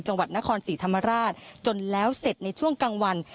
จังหวัดนครศรีธรรมราชจนแล้วเสร็จในช่วงกลางวัน